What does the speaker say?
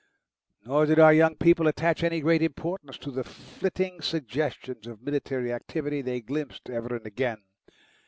Nor did our young people attach any great importance to the flitting suggestions of military activity they glimpsed ever and again.